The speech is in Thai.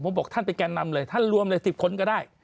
ผมบอกท่านเป็นแก่นำเลยท่านรวมเลย๑๐คนก็ได้